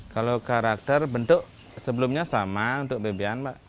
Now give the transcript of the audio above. kalau karakter bentuk sebelumnya sama untuk bebian pak